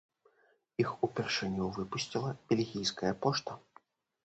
Іх упершыню выпусціла бельгійская пошта.